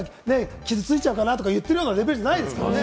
傷ついちゃうかな？とか言ってるレベルじゃないですからね。